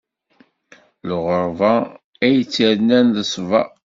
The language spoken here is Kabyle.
Lɣeṛba, ay tt-irnan, d ṣṣbeṛ.